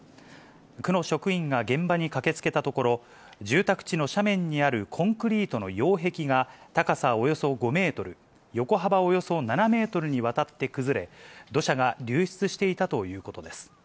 区の職員が現場に駆けつけたところ、住宅地の斜面にあるコンクリートの擁壁が、高さおよそ５メートル、横幅およそ７メートルにわたって崩れ、土砂が流出していたということです。